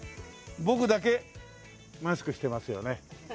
僕だけマスクしてますよね。